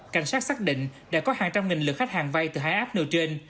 cảnh sát xác định đã có hàng trăm nghìn lượt khách hàng vai từ hai app nơi trên